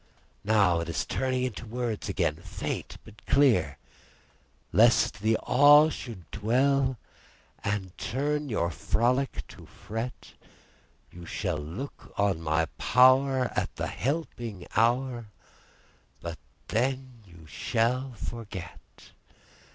"Now it is turning into words again—faint but clear—_Lest the awe should dwell—And turn your frolic to fret—You shall look on my power at the helping hour—But then you shall forget!